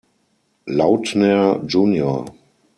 Lautner jr.